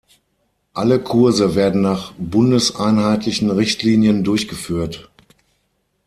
Alle Kurse werden nach bundeseinheitlichen Richtlinien durchgeführt.